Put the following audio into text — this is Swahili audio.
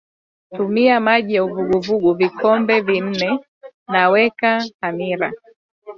tumia maji ya uvuguvugu vikombe vinne na weka hamira